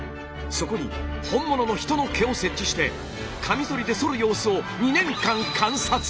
そこに本物の人の毛を設置してカミソリでそる様子を２年間観察！